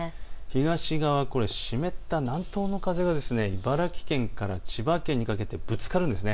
東側は湿った南東の風が茨城県から千葉県にかけてぶつかるんです。